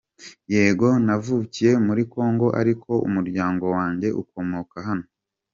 Yego navukiye muri Congo ariko umuryango wanjye ukomoka hano.